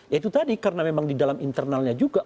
ya itu tadi karena memang di dalam internalnya juga